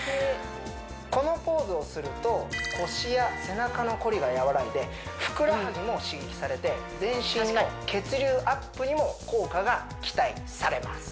このポーズをすると腰や背中のこりが和らいでふくらはぎも刺激されて全身の血流アップにも効果が期待されます